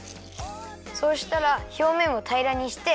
そうしたらひょうめんをたいらにして。